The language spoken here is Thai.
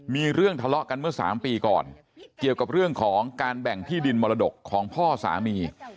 มีเรื่องทะเลาะกันเมื่อสามปีก่อนเกี่ยวกับเรื่องของการแบ่งที่ดินมรดกของพ่อสามี